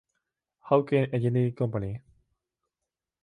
Hawker Engineering Company".